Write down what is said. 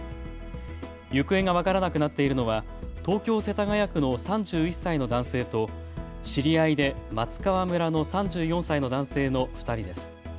行方が分からなくなっているのは東京世田谷区の３１歳の男性と知り合いで松川村の３４歳の男性の２人です。